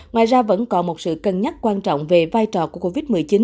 ngoài ra vẫn còn một sự cân nhắc quan trọng về vai trò của covid một mươi chín